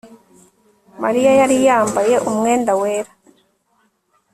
Mariya yari yambaye umwenda wera